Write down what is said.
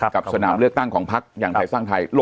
สนามเลือกตั้งของพักอย่างไทยสร้างไทย